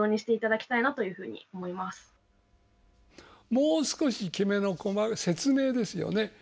もう少しきめの細かい説明ですよね。